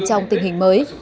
trong tình hình mới